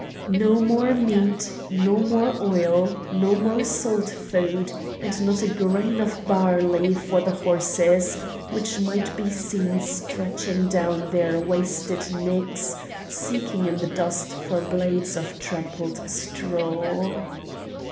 No more meat, no more oil, no more salt food, and not a grain of barley for the horses, which might be seen stretching down their wasted necks seeking in the dust for blades of trampled straw.